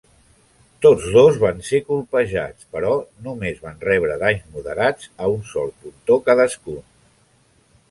Tots dos van ser colpejats, però només van rebre danys moderats a un sol pontó cadascun.